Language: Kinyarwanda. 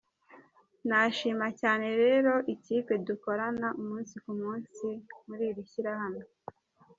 Nashima cyane rero ikipe dukorana umunsi ku munsi muri iri shyirahamwe.